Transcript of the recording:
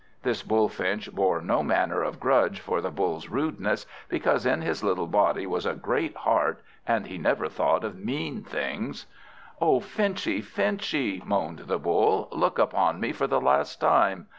This Bullfinch bore no manner of grudge for the Bull's rudeness, because in his little body was a great heart, and he never thought of mean things. "O Finchy, Finchy!" moaned the Bull, "look upon me for the last time!